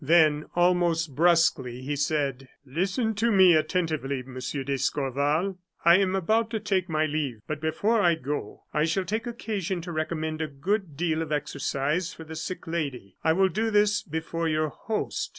Then, almost brusquely, he said: "Listen to me attentively, Monsieur d'Escorval. I am about to take my leave, but before I go, I shall take occasion to recommend a good deal of exercise for the sick lady I will do this before your host.